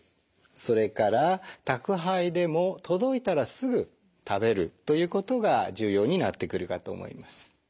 それから宅配でも届いたらすぐ食べるということが重要になってくるかと思います。